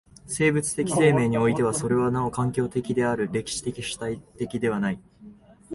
生物的生命においてはそれはなお環境的である、歴史的主体的ではない。